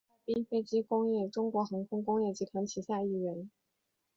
哈尔滨飞机工业中国航空工业集团旗下一员。